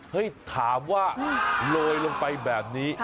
ถามว่าโรยลงไปแบบนี้